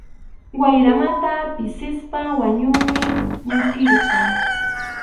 Wayramanta pisispa wañuymi mukiyqa.